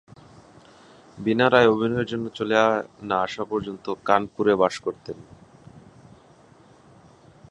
বীণা রায় অভিনয়ের জন্য চলে না আসা পর্যন্ত কানপুরে বাস করতেন।